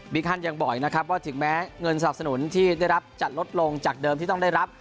ฮันยังบอกอีกนะครับว่าถึงแม้เงินสนับสนุนที่ได้รับจะลดลงจากเดิมที่ต้องได้รับ